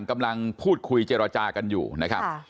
กำลังพูดคุยเจรจากันอยู่นะครับ